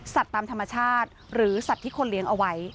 ตามธรรมชาติหรือสัตว์ที่คนเลี้ยงเอาไว้